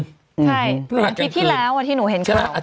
ใช่อาทิตย์ที่แล้วอาทิตย์ที่หนูเห็นเขา